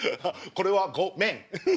これはご「めん」。